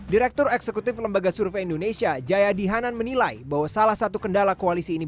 direktur eksekutif lembaga survei indonesia jayadi hanan menilai bahwa salah satu kendala koalisi ini